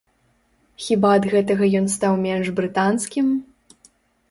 Хіба ад гэтага ён стаў менш брытанскім?